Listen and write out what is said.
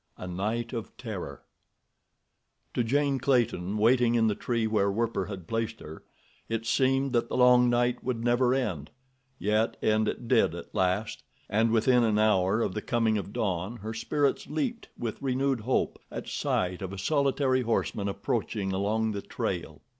A Night of Terror To Jane Clayton, waiting in the tree where Werper had placed her, it seemed that the long night would never end, yet end it did at last, and within an hour of the coming of dawn her spirits leaped with renewed hope at sight of a solitary horseman approaching along the trail.